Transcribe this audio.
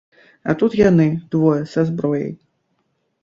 А тут яны, двое, са зброяй.